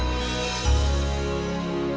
aku akan membawanya ke sini